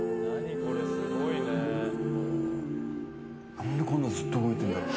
なんでこんなずっと動いてるんだろう。